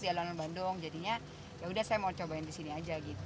di alun alun bandung jadinya ya udah saya mau cobain di sini aja gitu